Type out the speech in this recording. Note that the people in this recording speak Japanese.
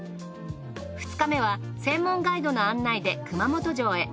２日目は専門ガイドの案内で熊本城へ。